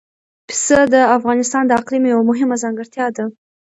پسه د افغانستان د اقلیم یوه مهمه ځانګړتیا ده.